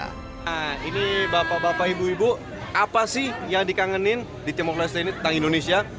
nah ini bapak bapak ibu ibu apa sih yang dikangenin di timur leste ini tentang indonesia